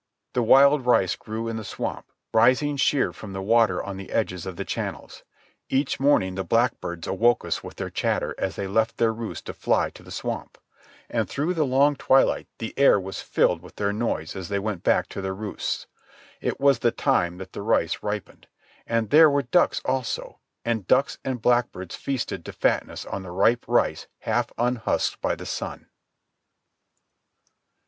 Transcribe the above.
The wild rice grew in the swamp, rising sheer from the water on the edges of the channels. Each morning the blackbirds awoke us with their chatter as they left their roosts to fly to the swamp. And through the long twilight the air was filled with their noise as they went back to their roosts. It was the time that the rice ripened. And there were ducks also, and ducks and blackbirds feasted to fatness on the ripe rice half unhusked by the sun.